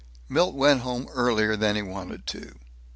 Milt went home earlier than he wanted to.